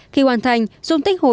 khi hoàn thành dung tích hồn